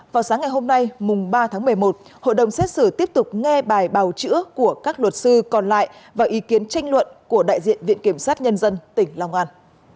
vào sáng ngày hôm nay mùng ba tháng một mươi một hội đồng xét xử tiếp tục nghe bài bào chữa của các luật sư còn lại và ý kiến tranh luận của đại diện viện kiểm sát nhân dân tỉnh long an